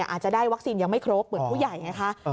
อาจจะได้วัคซีนยังไม่ครบเหมือนผู้ใหญ่ไงคะ